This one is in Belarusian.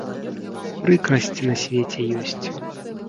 Прыкрасць на свеце ёсць.